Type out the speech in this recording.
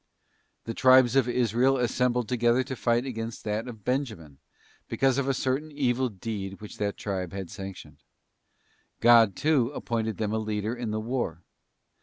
The tribes of Israel assembled together to fight against that of Benjamin, because of a certain evil deed which that tribe had sanctioned. God, too, appointed them a leader in the war.